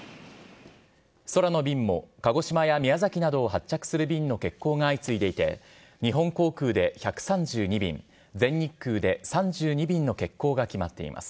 空の便も鹿児島や宮崎などを発着する便の欠航が相次いでいて、日本航空で１３２便、全日空で３２便の欠航が決まっています。